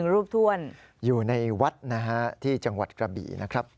รูปถ้วนอยู่ในวัดนะฮะที่จังหวัดกระบี่นะครับ